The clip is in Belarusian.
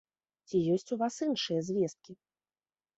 Ці ёсць у вас іншыя звесткі?